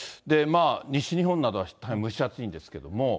西日本などは大変蒸し暑いんですけれども。